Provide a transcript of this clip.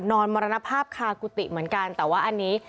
มรณภาพคากุฏิเหมือนกันแต่ว่าอันนี้